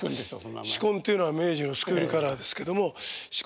紫紺っていうのは明治のスクールカラーですけども紫紺亭